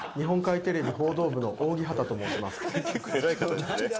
日本海テレビ報道部の扇畑といいます。